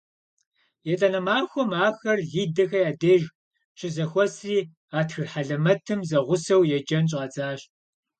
ЕтӀанэ махуэм ахэр Лидэхэ я деж щызэхуэсри а тхылъ хьэлэмэтым зэгъусэу еджэн щӀадзащ.